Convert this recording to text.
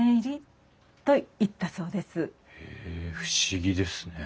へえ不思議ですね。